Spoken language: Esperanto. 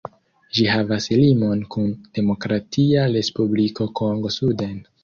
Ĝi havas limon kun Demokratia Respubliko Kongo suden.